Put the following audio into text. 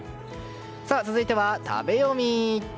続いては、食べヨミ！